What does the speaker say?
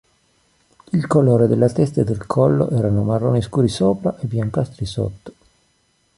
Il colore della testa e del collo erano marroni scuri sopra e biancastri sotto.